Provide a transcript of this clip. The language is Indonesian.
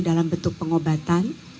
dalam bentuk pengobatan